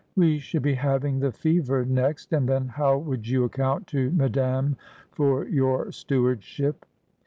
We should be having the fever next, and then how would you account to Madame for your stewardship